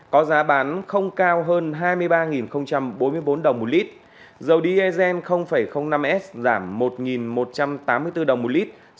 có giá không cao hơn một mươi sáu hai trăm năm mươi đồng một lít